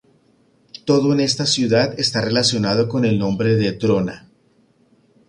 Todo en esta ciudad está relacionado con el nombre de Drona.